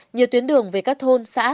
nhiều tuyến đường về các thôn xã